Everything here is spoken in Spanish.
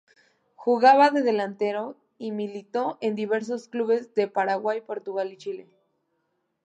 Jugaba de delantero y militó en diversos clubes de Paraguay, Portugal y Chile.